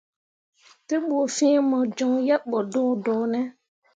Te ɓu fiŋ mo coŋ yebɓo doodoone ?